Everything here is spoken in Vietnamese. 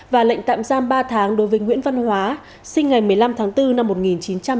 và lệnh tạm giam ba tháng đối với nguyễn văn hóa sinh ngày một mươi năm tháng bốn năm một nghìn chín trăm tám mươi